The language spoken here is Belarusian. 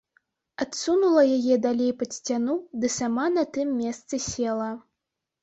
Адсунула яе далей пад сцяну ды сама на тым месцы села.